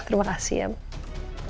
terima kasih ya